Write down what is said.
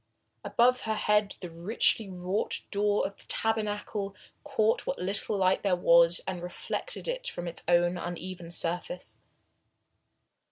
Above her head the richly wrought door of the tabernacle caught what little light there was and reflected it from its own uneven surface.